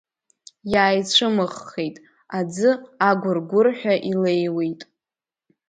Иааицәымыӷхеит, аӡы агәыргәырҳәа илеиуеит.